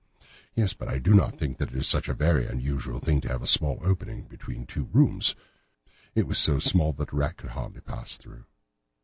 "Yes, but I do not think that it is such a very unusual thing to have a small opening between two rooms. It was so small that a rat could hardly pass through."